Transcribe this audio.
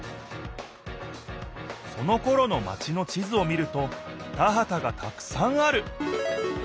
そのころのマチの地図を見ると田はたがたくさんある。